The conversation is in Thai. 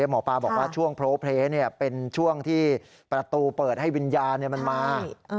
หมอปลาบอกว่าช่วงโพลเพลเป็นช่วงที่ประตูเปิดให้วิญญาณมันมา